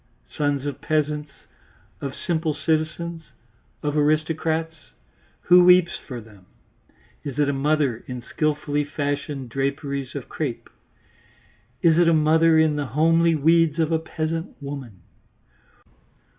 Sons of peasants, of simple citizens, of aristocrats? Who weeps for them? Is it a mother in skilfully fashioned draperies of crape? Is it a mother in the homely weeds of a peasant woman?